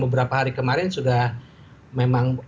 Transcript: beberapa hari kemarin sudah memang